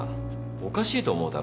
おかしいと思うだろ？